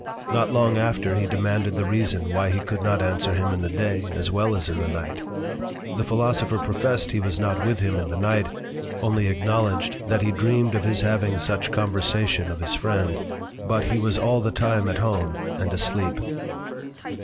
Not long after, he demanded the reason why he could not answer him in the Day as well as in the Night; The Philosopher professed he was not with him in the Night, only acknowledged that he dreamed of his having such conversation of his Friend, but he was all the time at home, and asleep.